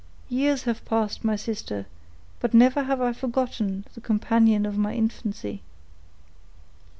Years have passed, my sister, but never have I forgotten the companion of my infancy!"